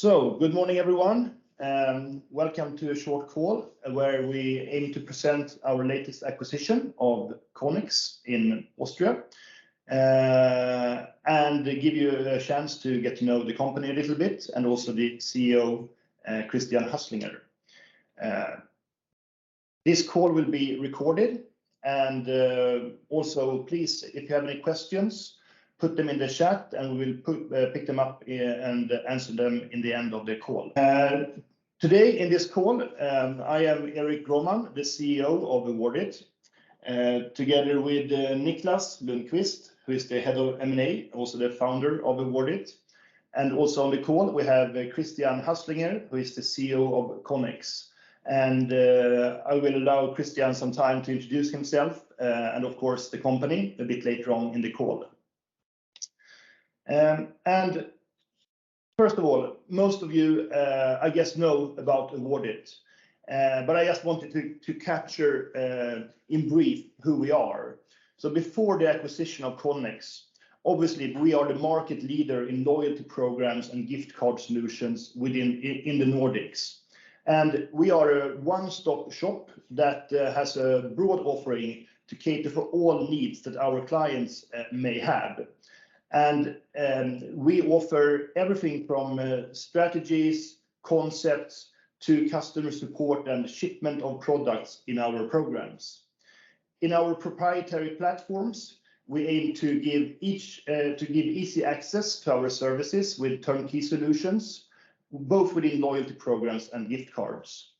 Good morning, everyone, and welcome to a short call where we aim to present our latest acquisition of Connex in Austria, and give you a chance to get to know the company a little bit and also the CEO, Christian Haslinger. This call will be recorded. Also please, if you have any questions, put them in the chat and we'll pick them up and answer them in the end of the call. Today in this call, I am Erik Grohman, the CEO of Awardit, together with Niklas Lundqvist, who is the head of M&A, also the founder of Awardit, and also on the call we have Christian Haslinger, who is the CEO of Connex. I will allow Christian some time to introduce himself, and of course the company a bit later on in the call. First of all, most of you, I guess know about Awardit, but I just wanted to capture in brief who we are. Before the acquisition of Connex, obviously we are the market leader in loyalty programs and gift card solutions in the Nordics. We are a one-stop shop that has a broad offering to cater for all needs that our clients may have. We offer everything from strategies, concepts to customer support and shipment of products in our programs. In our proprietary platforms, we aim to give easy access to our services with turnkey solutions, both within loyalty programs and gift cards.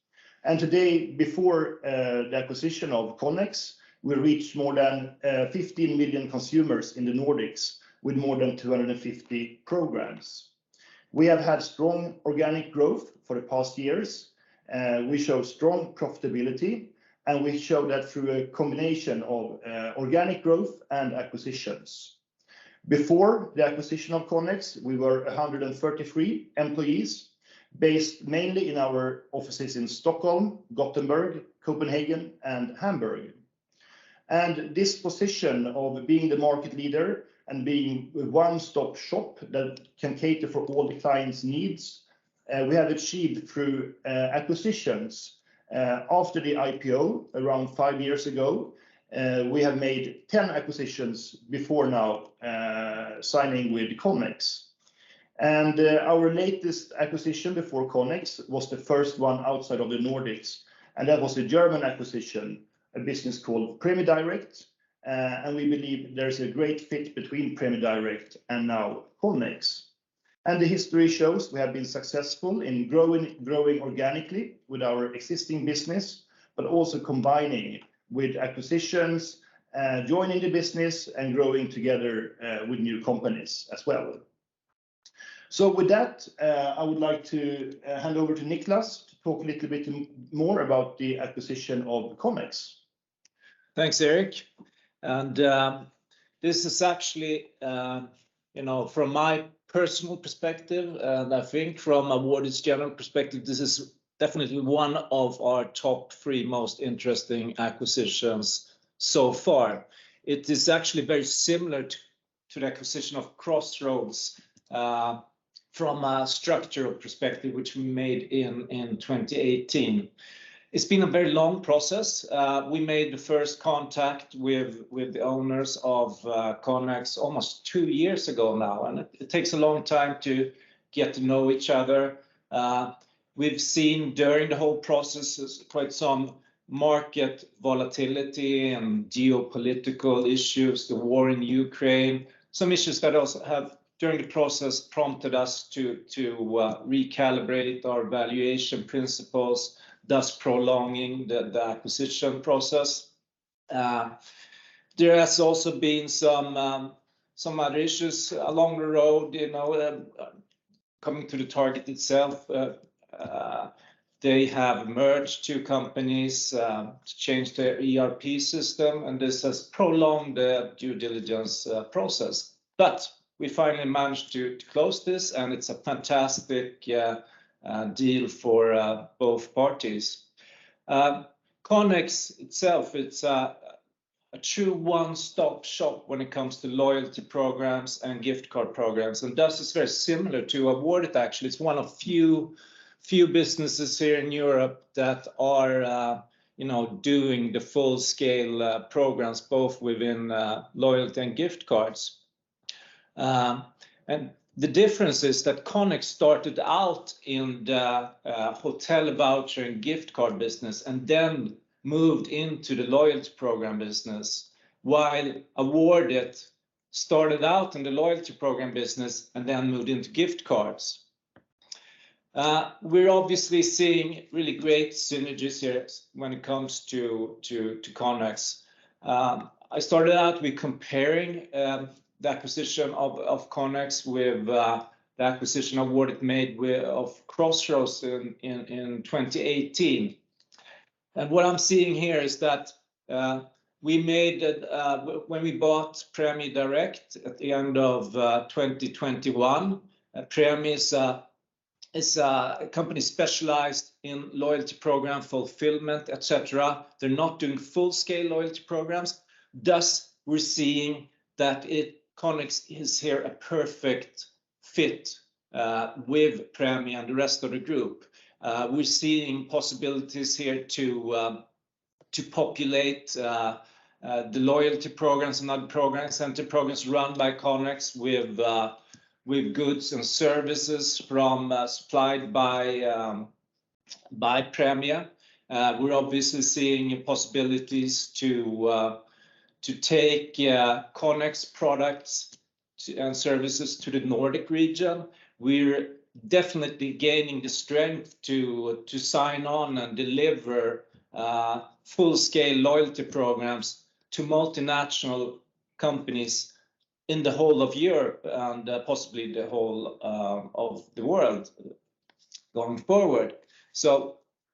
Today, before the acquisition of Connex, we reach more than 15 million consumers in the Nordics with more than 250 programs. We have had strong organic growth for the past years, we show strong profitability, we show that through a combination of organic growth and acquisitions. Before the acquisition of Connex, we were 133 employees based mainly in our offices in Stockholm, Gothenburg, Copenhagen and Hamburg. This position of being the market leader and being a one-stop shop that can cater for all the clients' needs, we have achieved through acquisitions. After the IPO around five years ago, we have made 10 acquisitions before now, signing with Connex. Our latest acquisition before Connex was the first one outside of the Nordics, that was the German acquisition, a business called Prämie Direkt. We believe there is a great fit between Prämie Direkt and now Connex. The history shows we have been successful in growing organically with our existing business, but also combining with acquisitions, joining the business and growing together, with new companies as well. With that, I would like to hand over to Niklas to talk a little bit more about the acquisition of Connex. Thanks, Erik. This is actually, you know, from my personal perspective, and I think from Awardit's general perspective, this is definitely one of our top three most interesting acquisitions so far. It is actually very similar to the acquisition of Crossroads, from a structural perspective, which we made in 2018. It's been a very long process. We made the first contact with the owners of Connex almost two years ago now, and it takes a long time to get to know each other. We've seen during the whole process quite some market volatility and geopolitical issues, the war in Ukraine, some issues that also have during the process prompted us to recalibrate our valuation principles, thus prolonging the acquisition process. There has also been some other issues along the road, you know, coming to the target itself. They have merged two companies to change their ERP system, and this has prolonged the due diligence process. We finally managed to close this, and it's a fantastic deal for both parties. Connex itself, it's a true one-stop shop when it comes to loyalty programs and gift card programs, and thus is very similar to Awardit, actually. It's one of few businesses here in Europe that are, you know, doing the full-scale programs both within loyalty and gift cards. The difference is that Connex started out in the hotel voucher and gift card business and then moved into the loyalty program business, while Awardit started out in the loyalty program business and then moved into gift cards. We're obviously seeing really great synergies here when it comes to Connex. I started out with comparing the acquisition of Connex with the acquisition Awardit made of Crossroads in 2018. What I'm seeing here is that we made when we bought Prämie Direkt at the end of 2021, Prämie is a company specialized in loyalty program fulfillment, et cetera. They're not doing full-scale loyalty programs. Thus, we're seeing that Connex is here a perfect fit with Prämie and the rest of the group. We're seeing possibilities here to populate the loyalty programs and other programs and the programs run by Connex with goods and services from supplied by Prämie Direkt. We're obviously seeing possibilities to take Connex products and services to the Nordic region. We're definitely gaining the strength to sign on and deliver full-scale loyalty programs to multinational companies in the whole of Europe and possibly the whole of the world going forward.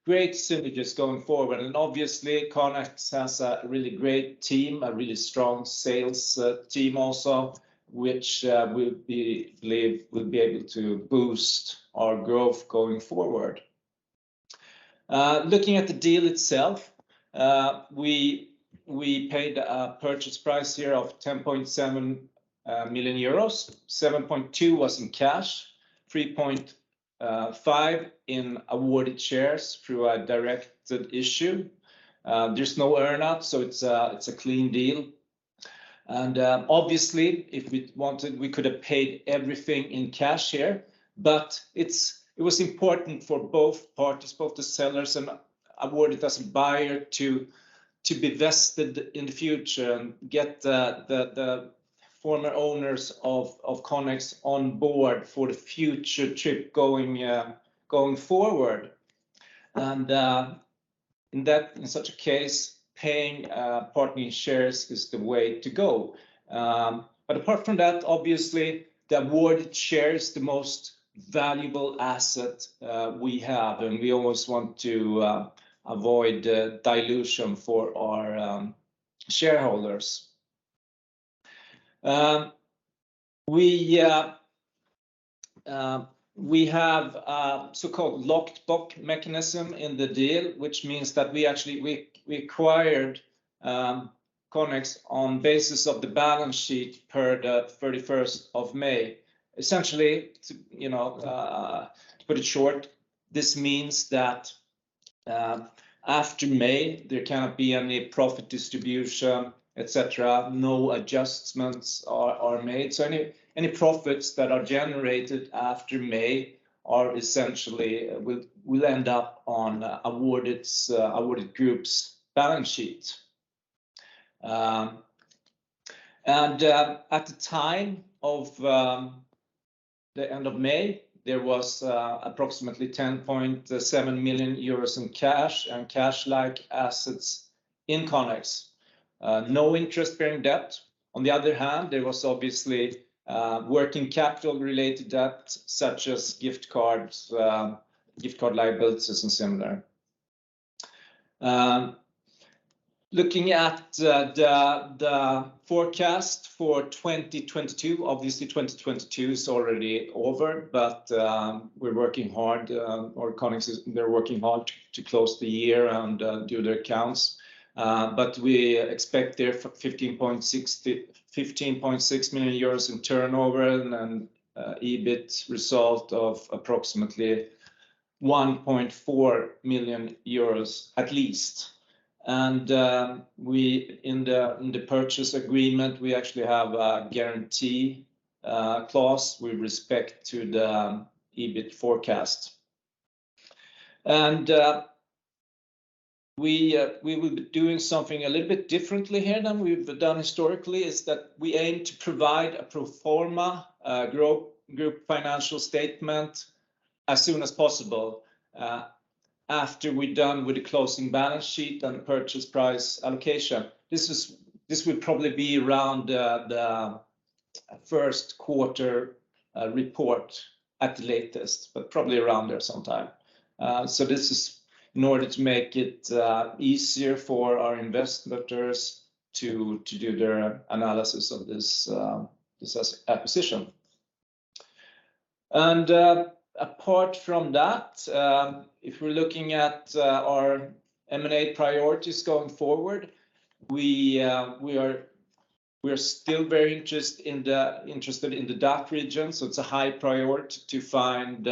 Great synergies going forward. Obviously Connex has a really great team, a really strong sales team also, which believe will be able to boost our growth going forward. Looking at the deal itself, we paid a purchase price here of 10.7 million euros. 7.2 million was in cash, 3.5 million in Awardit shares through a directed issue. There's no earn-out, so it's a clean deal. Obviously, if we wanted, we could have paid everything in cash here, but it was important for both parties, both the sellers and Awardit as buyer to be vested in the future and get the former owners of Connex on board for the future trip going forward. In such a case, paying part in shares is the way to go. Apart from that, obviously the Awardit shares the most valuable asset we have, and we almost want to avoid the dilution for our shareholders. We have a so-called locked box mechanism in the deal, which means that we actually acquired Connex on basis of the balance sheet per the 31st of May. Essentially, you know, to put it short, this means that after May, there cannot be any profit distribution, et cetera. No adjustments are made. Any profits that are generated after May are essentially will end up on Awardit's group's balance sheet. At the time of the end of May, there was approximately 10.7 million euros in cash and cash-like assets in Connex. No interest-bearing debt. On the other hand, there was obviously working capital related debt such as gift cards, gift card liabilities and similar. Looking at the forecast for 2022, obviously 2022 is already over, but we're working hard, or Connex is working hard to close the year and do their accounts. But we expect their 15.6 million euros in turnover and EBIT result of approximately 1.4 million euros at least. In the purchase agreement, we actually have a guarantee clause with respect to the EBIT forecast. We will be doing something a little bit differently here than we've done historically, is that we aim to provide a pro forma group financial statement as soon as possible after we're done with the closing balance sheet and the purchase price allocation. This will probably be around the first quarter report at the latest, but probably around there sometime. This is in order to make it easier for our investors to do their analysis of this acquisition. Apart from that, if we're looking at our M&A priorities going forward, we are still very interested in the DACH region. It's a high priority to find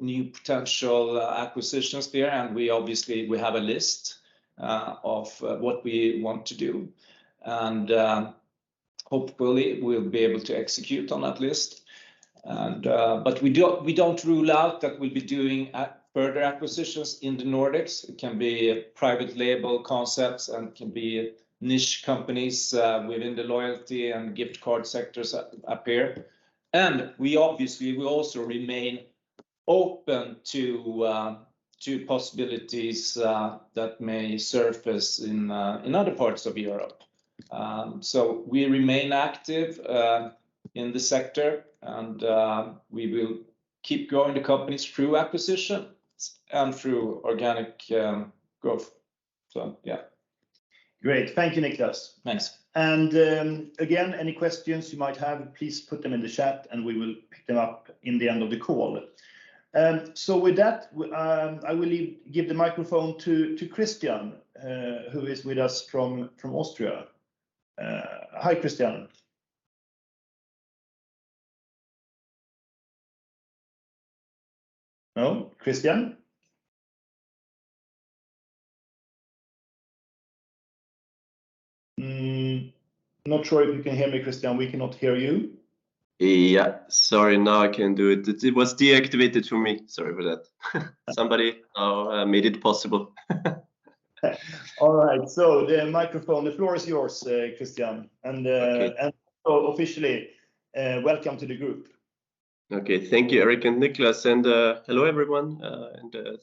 new potential acquisitions there. We obviously have a list of what we want to do, hopefully we'll be able to execute on that list. We don't rule out that we'll be doing further acquisitions in the Nordics. It can be private label concepts, it can be niche companies, within the loyalty and gift card sectors up here. We obviously will also remain open to possibilities that may surface in other parts of Europe. We remain active in the sector, and we will keep growing the companies through acquisitions and through organic growth. Yeah. Great. Thank you, Niklas. Thanks. Again, any questions you might have, please put them in the chat and we will pick them up in the end of the call. With that, I will give the microphone to Christian, who is with us from Austria. Hi Christian. Well, Christian. Not sure if you can hear me, Christian. We cannot hear you. Yeah. Sorry, now I can do it. It was deactivated for me. Sorry about that. Somebody made it possible. All right. The microphone, the floor is yours, Christian. Okay. Officially, welcome to the group. Okay. Thank you, Erik and Niklas, hello, everyone.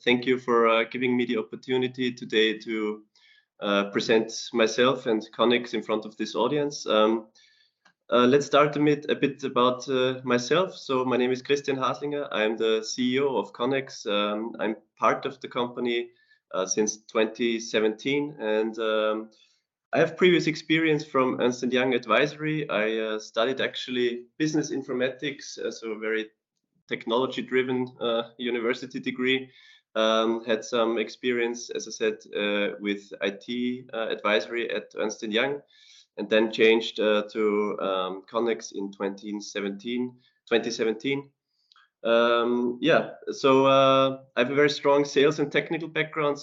Thank you for giving me the opportunity today to present myself and Connex in front of this audience. Let's start a bit about myself. My name is Christian Haslinger. I'm the CEO of Connex. I'm part of the company since 2017, and I have previous experience from Ernst & Young Advisory. I studied actually business informatics, so a very technology-driven university degree. Had some experience, as I said, with IT advisory at Ernst & Young, and then changed to Connex in 2017. I have a very strong sales and technical background.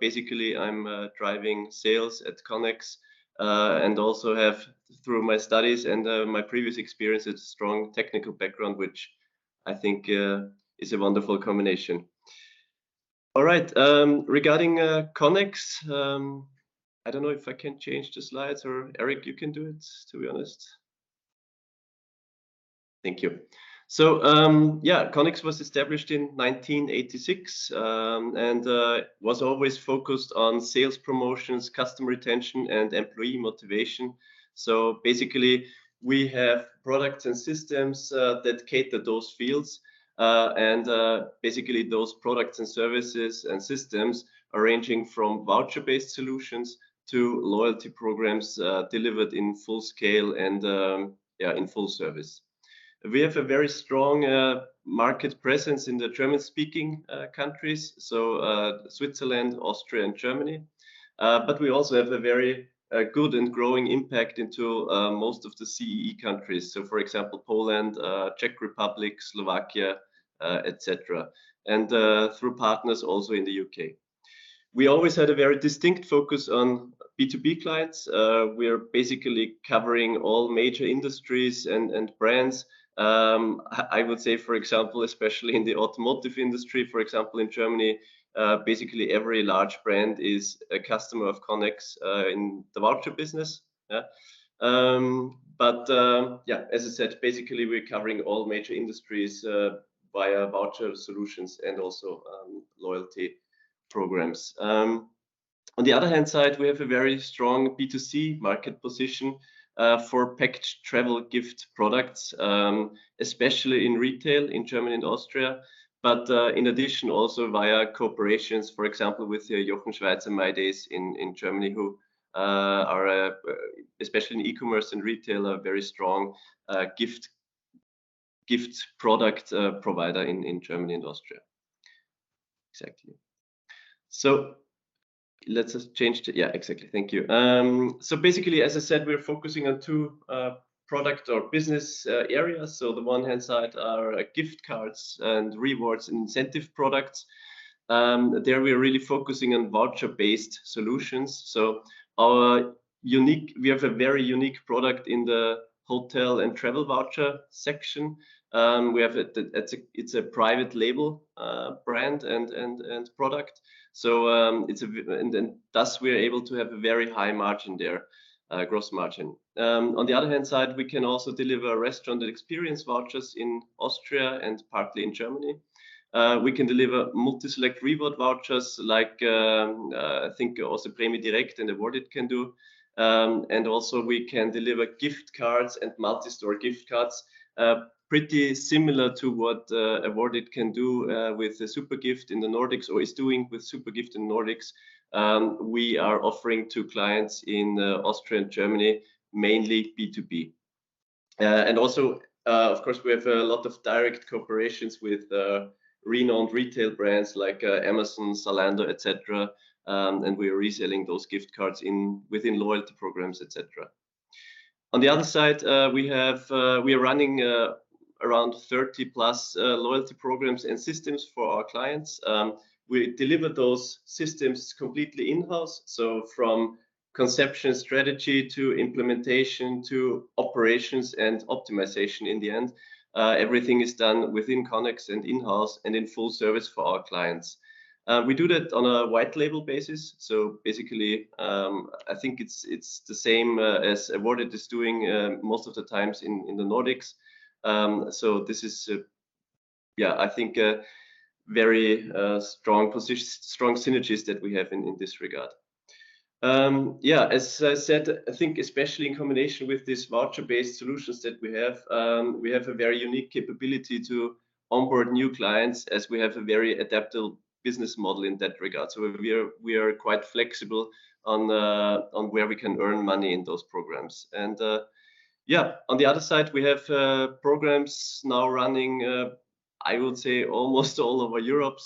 Basically I'm driving sales at Connex and also have through my studies and my previous experiences, strong technical background, which I think is a wonderful combination. All right, regarding Connex, I don't know if I can change the slides, or Erik, you can do it, to be honest. Thank you. Yeah, Connex was established in 1986 and was always focused on sales promotions, customer retention, and employee motivation. Basically, we have products and systems that cater those fields and basically those products and services and systems are ranging from voucher-based solutions to loyalty programs delivered in full scale and yeah, in full service. We have a very strong market presence in the German-speaking countries, so Switzerland, Austria, and Germany. We also have a very good and growing impact into most of the CEE countries, so for example, Poland, Czech Republic, Slovakia, et cetera, and through partners also in the UK. We always had a very distinct focus on B2B clients. We're basically covering all major industries and brands. I would say for example, especially in the automotive industry, for example, in Germany, basically every large brand is a customer of Connex in the voucher business. Yeah. As I said, basically we're covering all major industries via voucher solutions and also loyalty programs. On the other hand side, we have a very strong B2C market position for packed travel gift products, especially in retail in Germany and Austria, but in addition also via corporations, for example, with Jochen Schweizer and mydays in Germany, who are especially in e-commerce and retail, a very strong gift product provider in Germany and Austria. Exactly. Let's just change. Yeah, exactly. Thank you. Basically, as I said, we're focusing on two product or business areas. The one hand side are gift cards and rewards and incentive products. There we are really focusing on voucher-based solutions. We have a very unique product in the hotel and travel voucher section. It's a private label brand and product. And then thus we are able to have a very high margin there, gross margin. On the other hand side, we can also deliver restaurant and experience vouchers in Austria and partly in Germany. We can deliver multi-select reward vouchers like, I think also Prämie Direkt and Awardit can do. Also we can deliver gift cards and multi-store gift cards, pretty similar to what Awardit can do, with the Zupergift in the Nordics or is doing with Zupergift in Nordics. We are offering to clients in Austria and Germany, mainly B2B. And also, of course, we have a lot of direct cooperations with renowned retail brands like Amazon, Zalando, et cetera. And we are reselling those gift cards in, within loyalty programs, et cetera. On the other side, we have, we are running around 30-plus loyalty programs and systems for our clients. We deliver those systems completely in-house, so from conception strategy to implementation to operations and optimization in the end. Everything is done within Connex and in-house and in full service for our clients. We do that on a white label basis. Basically, I think it's the same as Awardit is doing most of the times in the Nordics. This is, yeah, I think a very strong synergies that we have in this regard. Yeah, as I said, I think especially in combination with these voucher-based solutions that we have, we have a very unique capability to onboard new clients as we have a very adaptable business model in that regard. We are quite flexible on where we can earn money in those programs. On the other side, we have programs now running, I would say almost all over Europe.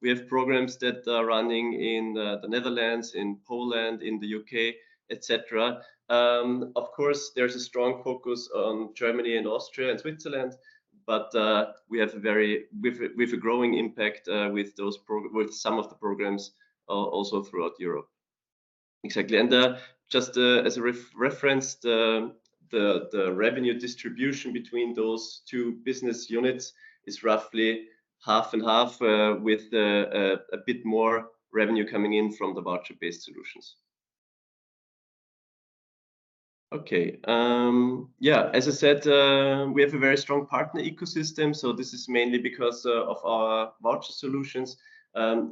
We have programs that are running in the Netherlands, in Poland, in the UK, et cetera. Of course, there's a strong focus on Germany and Austria and Switzerland, but we have a growing impact with some of the programs also throughout Europe. Exactly. Just as a reference, the revenue distribution between those two business units is roughly half and half, with a bit more revenue coming in from the voucher-based solutions. Okay. As I said, we have a very strong partner ecosystem, so this is mainly because of our voucher solutions.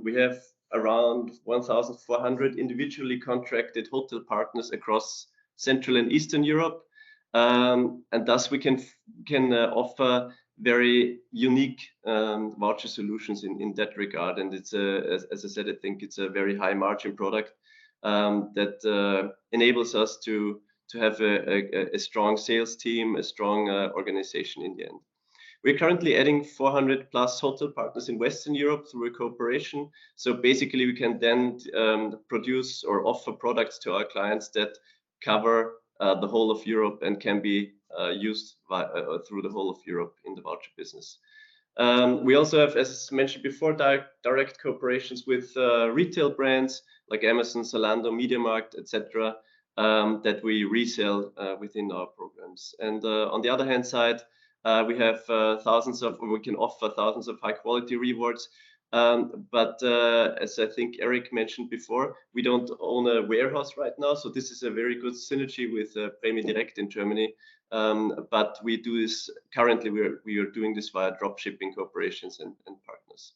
We have around 1,400 individually contracted hotel partners across Central and Eastern Europe. Thus we can offer very unique voucher solutions in that regard. It's, as I said, I think it's a very high-margin product that enables us to have a strong sales team, a strong organization in the end. We're currently adding 400+ hotel partners in Western Europe through a cooperation. Basically we can then produce or offer products to our clients that cover the whole of Europe and can be used by through the whole of Europe in the voucher business. We also have, as mentioned before, direct cooperations with retail brands like Amazon, Zalando, MediaMarkt, et cetera, that we resell within our programs. On the other hand side, we can offer thousands of high-quality rewards. As I think Erik mentioned before, we don't own a warehouse right now, so this is a very good synergy with Prämie Direkt in Germany. Currently we are doing this via drop shipping cooperations and partners.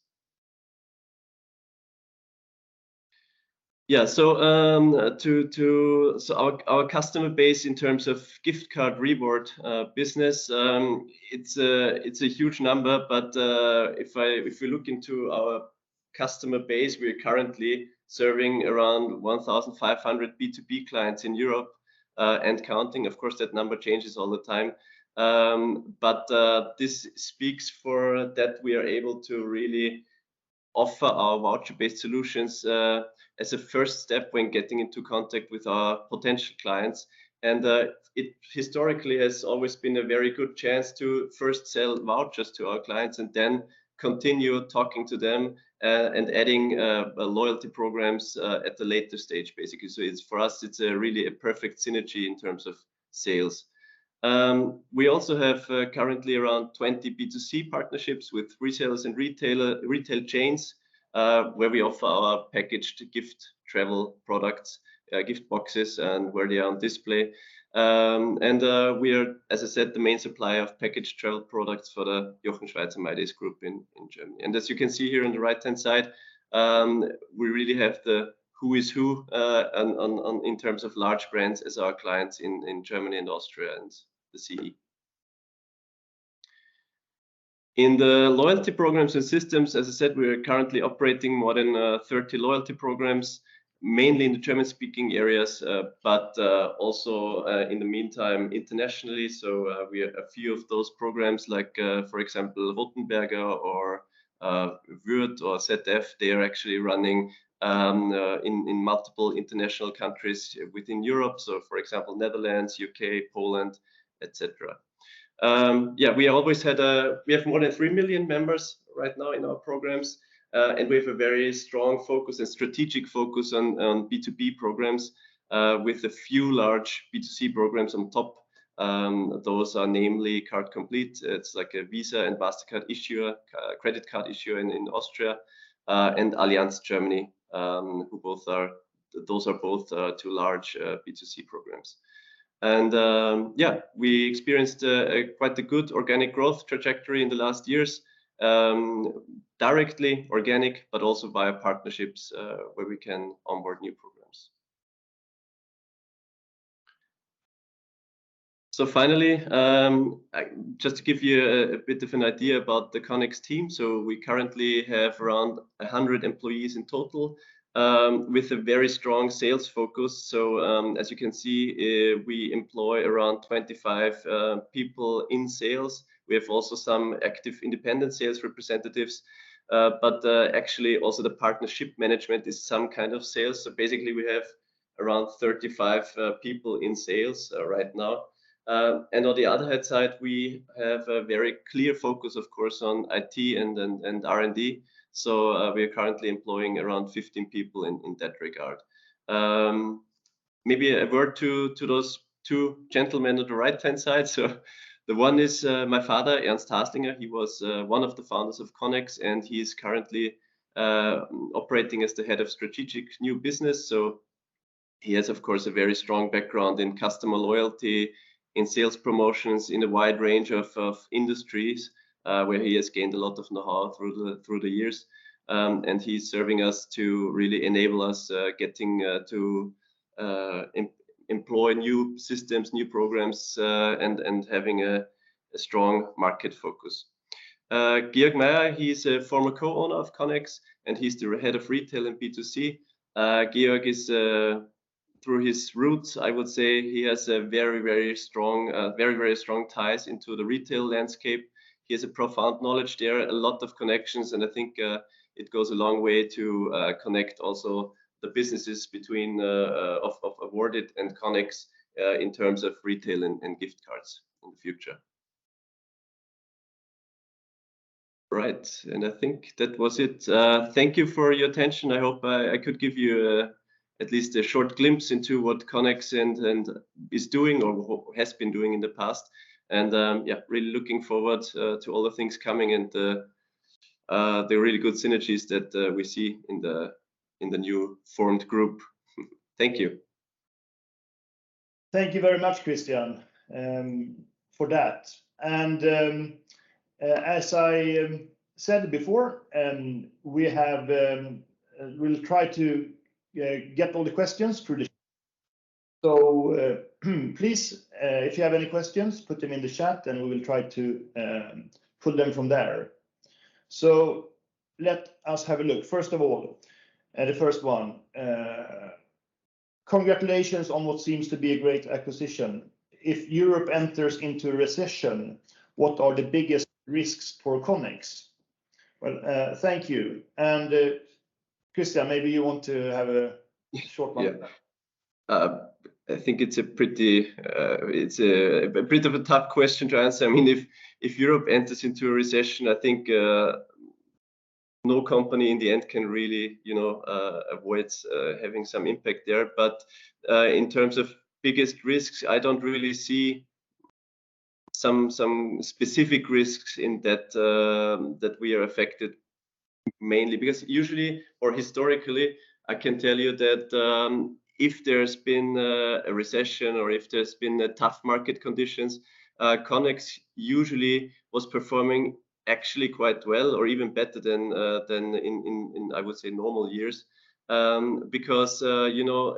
Our customer base in terms of gift card reward business, it's a huge number. If we look into our customer base, we're currently serving around 1,500 B2B clients in Europe and counting. Of course, that number changes all the time. This speaks for that we are able to really offer our voucher-based solutions as a first step when getting into contact with our potential clients. It historically has always been a very good chance to first sell vouchers to our clients and then continue talking to them and adding loyalty programs at the later stage, basically. It's for us, it's really a perfect synergy in terms of sales. We also have currently around 20 B2C partnerships with retailers and retail chains where we offer our packaged gift travel products, gift boxes and where they are on display. We are, as I said, the main supplier of packaged travel products for the Jochen Schweizer mydays Group in Germany. As you can see here on the right-hand side, we really have the who is who on in terms of large brands as our clients in Germany and Austria and the CEE. In the loyalty programs and systems, as I said, we are currently operating more than 30 loyalty programs, mainly in the German-speaking areas, but also in the meantime, internationally. We have a few of those programs like, for example, Gutenberg or Würth or ZF, they are actually running in multiple international countries within Europe. For example, Netherlands, UK, Poland, et cetera. We have more than 3 million members right now in our programs, we have a very strong focus and strategic focus on B2B programs, with a few large B2C programs on top. Those are namely card complete. It's like a Visa and Mastercard issuer, credit card issuer in Austria, and Allianz Germany. Those are both two large B2C programs. We experienced quite a good organic growth trajectory in the last years, directly organic, but also via partnerships, where we can onboard new programs. Finally, just to give you a bit of an idea about the Connex team. We currently have around 100 employees in total, with a very strong sales focus. As you can see, we employ around 25 people in sales. We have also some active independent sales representatives, but actually also the partnership management is some kind of sales. Basically we have around 35 people in sales right now. On the other hand side, we have a very clear focus, of course, on IT and R&D. We are currently employing around 15 people in that regard. Maybe a word to those two gentlemen on the right-hand side. The one is my father, Ernst Haslinger. He was one of the founders of Connex, and he is currently operating as the head of strategic new business. He has, of course, a very strong background in customer loyalty, in sales promotions, in a wide range of industries, where he has gained a lot of know-how through the years. He's serving us to really enable us, getting to employ new systems, new programs, and having a strong market focus. Georg Maier, he's a former co-owner of Connex, and he's the head of retail and B2C. Georg is, through his roots, I would say he has a very, very strong ties into the retail landscape. He has a profound knowledge there, a lot of connections, I think it goes a long way to connect also the businesses of Awardit and Connex in terms of retail and gift cards in the future. All right. I think that was it. Thank you for your attention. I hope I could give you at least a short glimpse into what Connex and is doing or has been doing in the past. Yeah, really looking forward to all the things coming and the really good synergies that we see in the new formed group. Thank you. Thank you very much, Christian, for that. As I said before, please, if you have any questions, put them in the chat, and we will try to pull them from there. Let us have a look. First of all, the first one, congratulations on what seems to be a great acquisition. If Europe enters into a recession, what are the biggest risks for Connex? Well, thank you. Christian, maybe you want to have a short one on that. Yeah. I think it's a pretty, it's a bit of a tough question to answer. I mean, if Europe enters into a recession, I think no company in the end can really, you know, avoid having some impact there. In terms of biggest risks, I don't really see some specific risks in that we are affected mainly. Because usually, or historically, I can tell you that, if there's been, a recession or if there's been a tough market conditions, Connex usually was performing actually quite well or even better than in, I would say, normal years. Because, you know,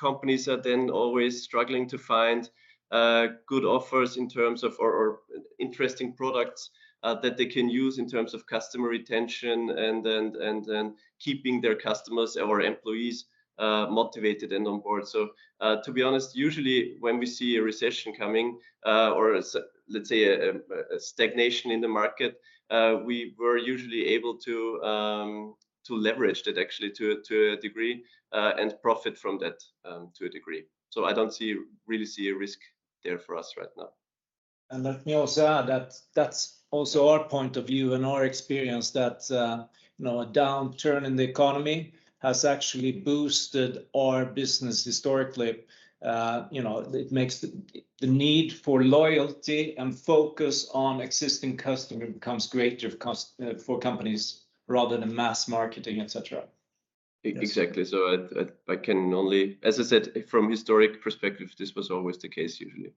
companies are then always struggling to find good offers in terms of or interesting products that they can use in terms of customer retention and keeping their customers or employees motivated and on board. To be honest, usually when we see a recession coming, or let's say a stagnation in the market, we were usually able to leverage that actually to a degree and profit from that to a degree. I don't really see a risk there for us right now. Let me also add that that's also our point of view and our experience that, you know, a downturn in the economy has actually boosted our business historically. You know, it makes the need for loyalty and focus on existing customer becomes greater for companies rather than mass marketing, et cetera. Exactly. I can only... As I said, from historic perspective, this was always the case usually.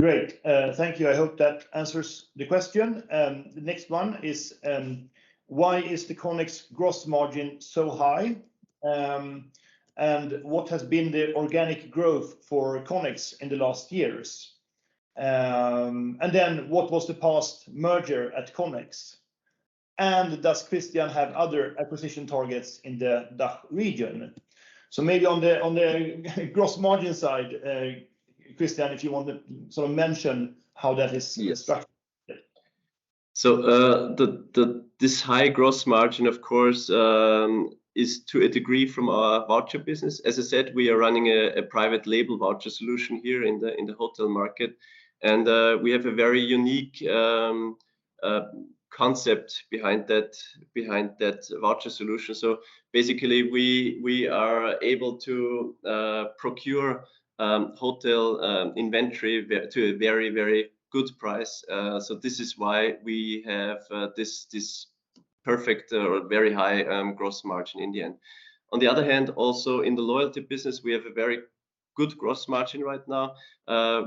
Great. Thank you. I hope that answers the question. The next one is, why is the Connex gross margin so high? What has been the organic growth for Connex in the last years? What was the past merger at Connex? Does Christian have other acquisition targets in the DACH region? Maybe on the gross margin side, Christian, if you want to sort of mention how that is structured. Yes. The, this high gross margin, of course, is to a degree from our voucher business. As I said, we are running a private label voucher solution here in the hotel market, and we have a very unique concept behind that, behind that voucher solution. Basically, we are able to procure hotel inventory to a very, very good price. This is why we have this perfect or very high gross margin in the end. On the other hand, also in the loyalty business, we have a very good gross margin right now,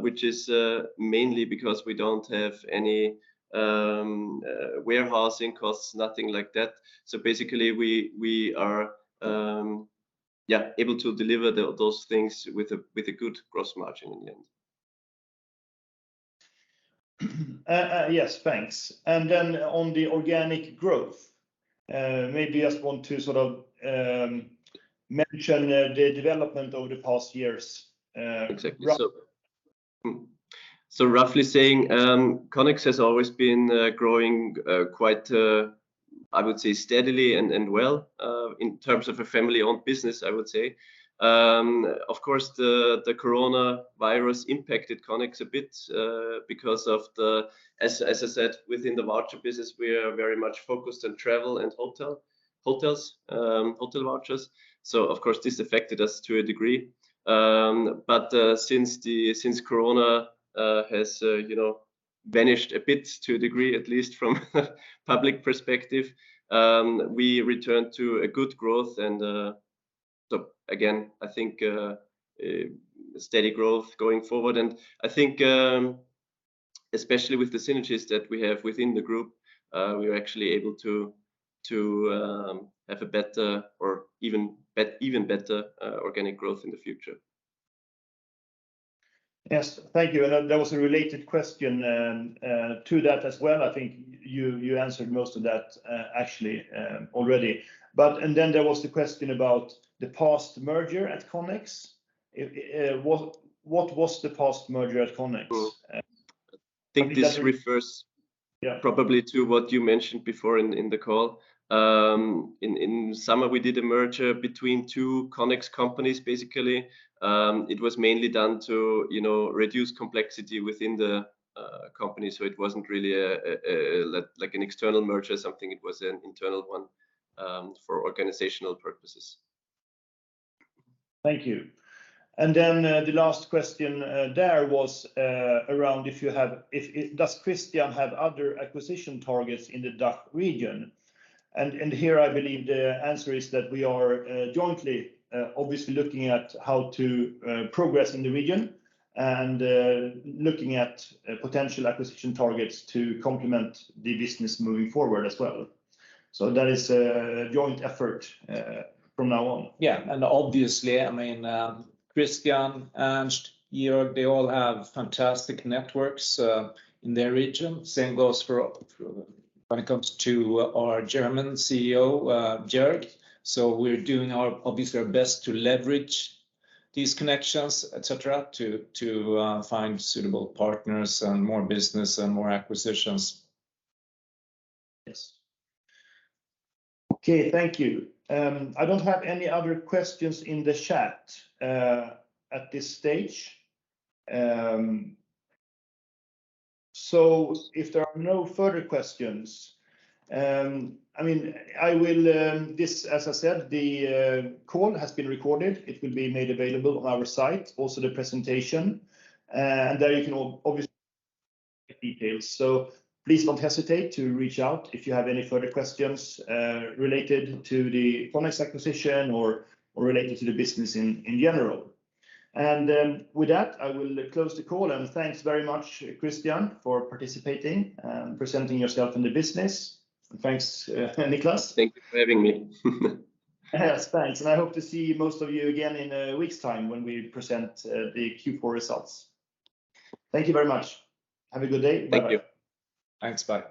which is mainly because we don't have any warehousing costs, nothing like that. Basically, we are, yeah, able to deliver those things with a, with a good gross margin in the end. Yes, thanks. On the organic growth, maybe you just want to sort of, mention, the development over the past years, roughly. Exactly. Roughly saying, Connex has always been growing quite, I would say steadily and well, in terms of a family-owned business, I would say. Of course, the coronavirus impacted Connex a bit because of the... As I said, within the voucher business, we are very much focused on travel and hotel, hotels, hotel vouchers. Of course, this affected us to a degree. But, since the since corona has, you know, vanished a bit to a degree, at least from public perspective, we returned to a good growth. Again, I think steady growth going forward. I think, especially with the synergies that we have within the group, we are actually able to have a better or even better organic growth in the future. Yes. Thank you. That was a related question to that as well. I think you answered most of that actually already. Then there was the question about the past merger at Connex. What was the past merger at Connex? I think this. Yeah.... probably to what you mentioned before in the call. In, in summer, we did a merger between two Connex companies, basically. It was mainly done to, you know, reduce complexity within the, within the company. It wasn't really an external merger or something. It was an internal one for organizational purposes. Thank you. The last question, there was, around does Christian have other acquisition targets in the DACH region? I believe the answer is that we are, jointly, obviously looking at how to, progress in the region and, looking at potential acquisition targets to complement the business moving forward as well. That is a joint effort, from now on. Yeah. Obviously, I mean, Christian, Ernst, Jörg, they all have fantastic networks in their region. Same goes for when it comes to our German CEO, Jörg. We're doing our, obviously our best to leverage these connections, et cetera, to find suitable partners and more business and more acquisitions. Yes. Okay. Thank you. I don't have any other questions in the chat at this stage. If there are no further questions, I mean, I will, as I said, the call has been recorded. It will be made available on our site, also the presentation. There you can obviously details. Please don't hesitate to reach out if you have any further questions related to the Connex acquisition or related to the business in general. With that, I will close the call. Thanks very much, Christian, for participating, presenting yourself and the business. Thanks, Niklas. Thank you for having me. Yes, thanks. I hope to see most of you again in a week's time when we present the Q4 results. Thank you very much. Have a good day. Bye-bye. Thank you. Thanks. Bye.